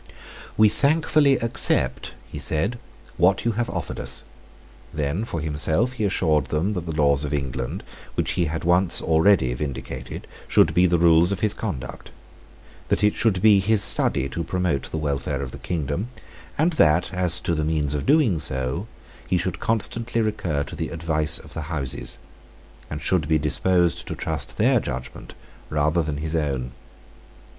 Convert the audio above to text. "We thankfully accept," he said, "what you have offered us." Then, for himself, he assured them that the laws of England, which he had once already vindicated, should be the rules of his conduct, that it should be his study to promote the welfare of the kingdom, and that, as to the means of doing so, he should constantly recur to the advice of the Houses, and should be disposed to trust their judgment rather than his own.